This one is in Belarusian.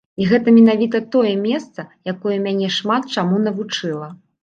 І гэта менавіта тое месца, якое мяне шмат чаму навучыла.